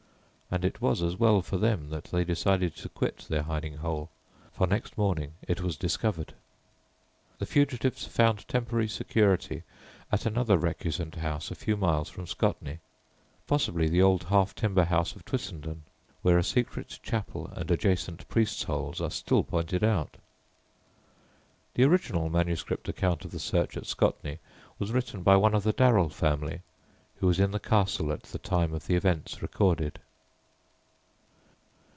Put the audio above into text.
And it was as well for them that they decided to quit their hiding hole, for next morning it was discovered. The fugitives found temporary security at another recusant house a few miles from Scotney, possibly the old half timber house of Twissenden, where a secret chapel and adjacent "priests' holes" are still pointed out. The original manuscript account of the search at Scotney was written by one of the Darrell family, who was in the castle at the time of the events recorded.